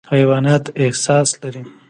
حیوانات احساس لري.